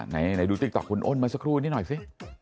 ไหนดูติคต๊อกคุณอ้นไอ้สักครู่นี่หน่อยสิ